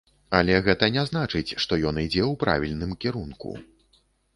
Але гэта не значыць, што ён ідзе ў правільным кірунку.